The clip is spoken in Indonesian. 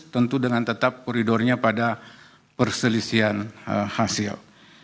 tentu dengan tetap koridornya pada perselisihan hasil